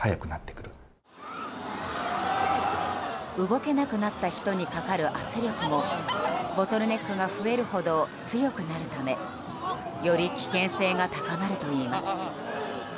動けなくなった人にかかる圧力をボトルネックが増えるほど強くなるためより危険性が高まるといいます。